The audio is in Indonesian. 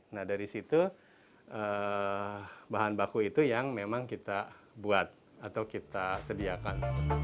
nah dari situ bahan baku itu yang memang kita buat atau kita sediakan